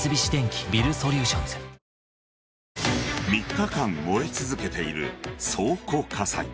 ３日間燃え続けている倉庫火災。